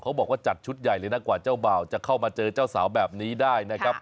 บอกว่าจัดชุดใหญ่เลยนะกว่าเจ้าบ่าวจะเข้ามาเจอเจ้าสาวแบบนี้ได้นะครับ